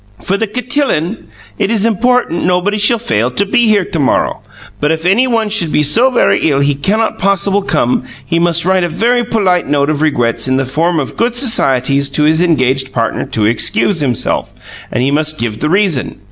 For the cotillon it is important nobody shall fail to be here tomorrow; but if any one should be so very ill he cannot possible come he must write a very polite note of regrets in the form of good societies to his engaged partner to excuse himself and he must give the reason.